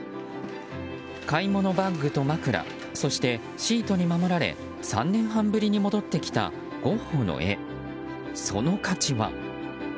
買い物バッグと枕そして、シートに守られ３年半ぶりに戻ってきたゴッホの絵、その価値は。